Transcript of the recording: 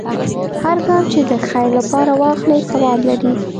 هر ګام چې د خیر لپاره واخلې، ثواب لري.